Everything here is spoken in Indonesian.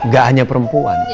gak hanya perempuan